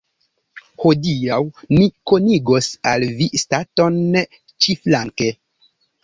Hodiaŭ ni konigos al vi staton ĉiflanke.